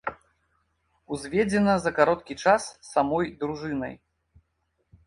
Узведзена за кароткі час самой дружынай.